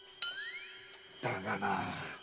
だがな。